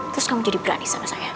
terus kamu jadi berani sama saya